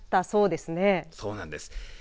そうなんです。